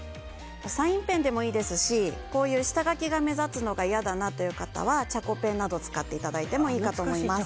サインペンでもいいですし下書きが目立つのが嫌だなという方はチャコペンなどを使っていただいてもいいと思います。